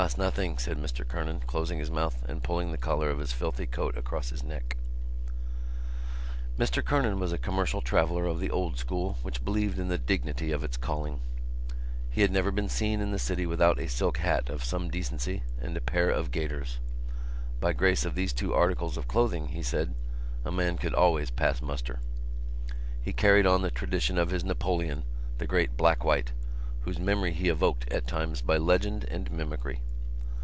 "Sha, 's nothing," said Mr Kernan, closing his mouth and pulling the collar of his filthy coat across his neck. Mr Kernan was a commercial traveller of the old school which believed in the dignity of its calling. He had never been seen in the city without a silk hat of some decency and a pair of gaiters. By grace of these two articles of clothing, he said, a man could always pass muster. He carried on the tradition of his Napoleon, the great Blackwhite, whose memory he evoked at times by legend and mimicry.